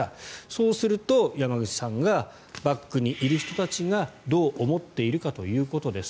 そうすると、山口さんがバックにいる人たちがどう思っているかということです。